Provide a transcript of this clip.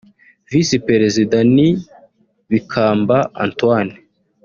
Visi Perezida ni Bikamba Antoine